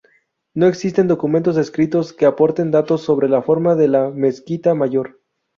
No existen documentos escritos que aporten datos sobre la forma de la Mezquita Mayor.